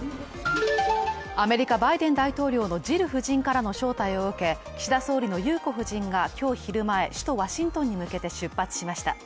アメリカ・バイデン大統領のジル夫人からの招待を受けて岸田総理の裕子夫人が今日昼前、首都ワシントンに向けて出発しました。